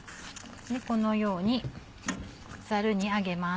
このようにザルに上げます。